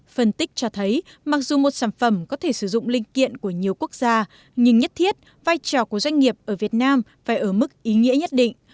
phân tích cho thấy mặc dù một sản phẩm có thể sử dụng linh kiện của nhiều quốc gia nhưng nhất thiết vai trò của doanh nghiệp ở việt nam phải ở mức ý nghĩa nhất định